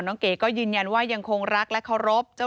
พี่ลองคิดดูสิที่พี่ไปลงกันที่ทุกคนพูด